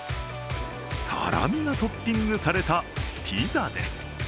サラミがトッピングされたピザです。